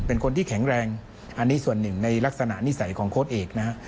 เป็นคนที่แข็งแรงอันนี้ส่วนหนึ่งในลักษณะนิสัยของโค้ดเอกนะฮะ